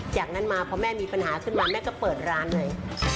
จากนั้นมาพอแม่มีปัญหาขึ้นมาแม่ก็เปิดร้านเลย